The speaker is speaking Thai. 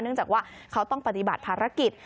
จากว่าเขาต้องปฏิบัติภารกิจ